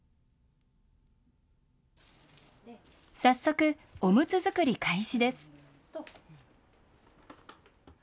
早速、おむつ作り開始です。